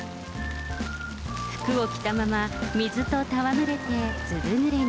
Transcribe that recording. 服を着たまま、水と戯れてずぶぬれに。